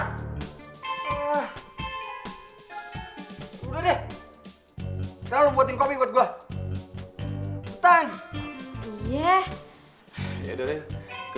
kalau buatin kopi buat gue tan iya ya udah